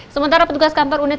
sementara petugas kantor unit